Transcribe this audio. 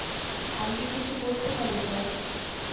আমি কি কিছু করতে পারি স্যার?